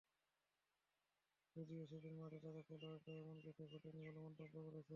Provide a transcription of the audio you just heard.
যদিও সেদিন মাঠে থাকা খেলোয়াড়েরা এমন কিছু ঘটেনি বলে মন্তব্য করেছেন।